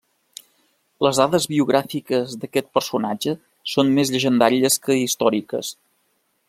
Les dades biogràfiques d'aquest personatge són més llegendàries que històriques.